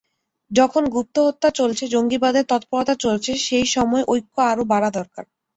যখন গুপ্তহত্যা চলছে, জঙ্গিবাদের তৎপরতা চলছে, সেই সময় ঐক্য আরও বাড়া দরকার।